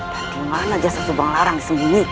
dan di mana jasa subang larang disembunyikan